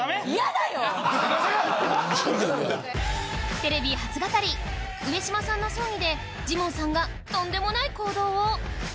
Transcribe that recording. テレビ初語り上島さんの葬儀でジモンさんがとんでもない行動を！